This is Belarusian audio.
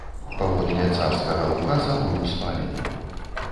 Паводле царскага ўказа быў спалены.